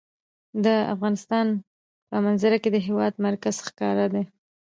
د افغانستان په منظره کې د هېواد مرکز ښکاره ده.